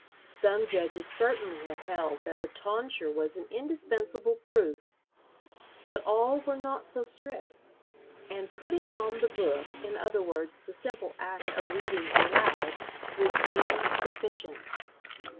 Some judges certainly had held that the tonsure was an indispensable proof; but all were not so strict, and "putting on the book," in other words, the simple act of reading aloud, was deemed sufficient.